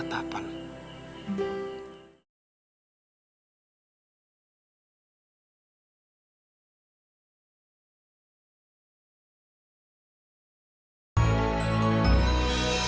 masa lo gak ngerti sih